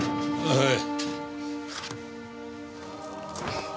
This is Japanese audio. はい。